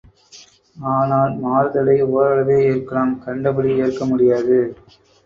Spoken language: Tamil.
ஆனால், மாறுதலை ஓரளவே ஏற்கலாம் கண்டபடி ஏற்க முடியாது.